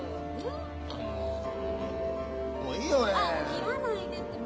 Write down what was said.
切らないでってもう。